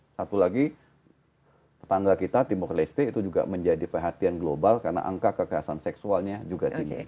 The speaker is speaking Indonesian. satu lagi tetangga kita timur leste itu juga menjadi perhatian global karena angka kekerasan seksualnya juga tinggi